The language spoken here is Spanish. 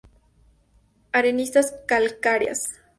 Areniscas calcáreas.